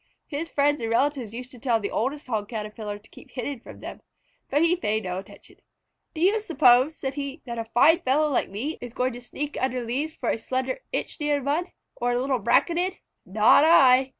His friends and relatives used to tell the oldest Hog Caterpillar to keep hidden from them, but he paid no attention. "Do you suppose," said he, "that a fine fellow like me is going to sneak under leaves for a slender Ichneumon or a little Braconid? Not I!"